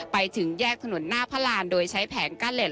ไปถึงแยกถนนหน้าพระรานโดยใช้แผงกั้นเหล็